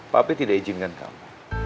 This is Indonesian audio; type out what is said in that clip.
papi tidak mengizinkan kamu